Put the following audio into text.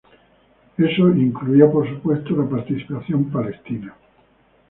Eso incluía, por supuesto, la participación israelí.